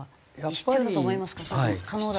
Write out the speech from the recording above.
必要だと思いますね。